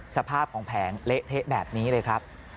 สภาพของแผงเละเทะแบบนี้เลยครับ